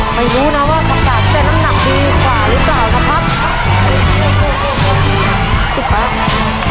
ไม่รู้นะว่าความสาธารณ์ใกล้หนักดีกว่าหรือเปล่านะครับ